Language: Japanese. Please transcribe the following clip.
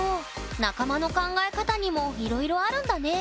仲間の考え方にもいろいろあるんだね。